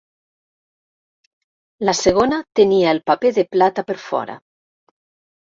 La segona tenia el paper de plata per fora.